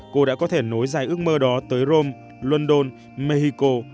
cô đã có thể nối dài ước mơ đó tới rome london mexico